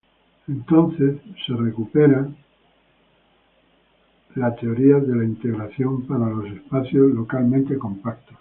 Para los espacios localmente compactos la teoría de la integración entonces se recupera.